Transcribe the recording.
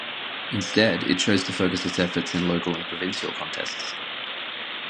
Instead, it chose to focus its efforts in local and provincial contests.